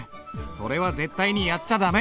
それは絶対にやっちゃ駄目！